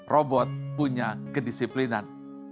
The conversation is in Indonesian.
robot punya kedisiplinan